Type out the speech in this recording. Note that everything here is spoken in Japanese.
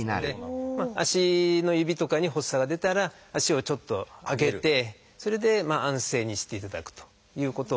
足の指とかに発作が出たら足をちょっと上げてそれで安静にしていただくということ。